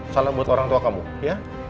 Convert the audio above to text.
salam buat orang tua kamu ya